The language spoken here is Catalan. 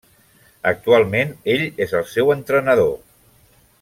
Actualment, ell és el seu entrenador.